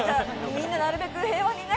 みんな、なるべく平和にね。